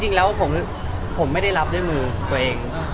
จริงแล้วผมไม่ได้รับด้วยมือตัวเอง